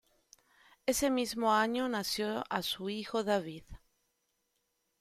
Ese mismo año nació a su hijo David.